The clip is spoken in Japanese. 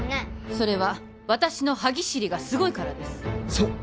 それは私の歯ぎしりがすごいからですそう